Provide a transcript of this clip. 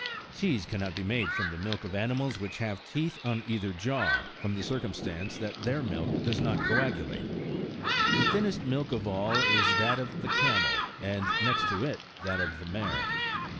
Cheese cannot be made from the milk of animals which have teeth on either jaw, from the circumstance that their milk does not coagulate. The thinnest milk of all is that of the camel, and next to it that of the mare.